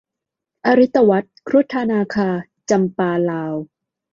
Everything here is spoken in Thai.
อริตวรรธน์ ครุฑานาคา - จำปาลาว